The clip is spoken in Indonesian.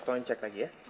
tolong cek lagi ya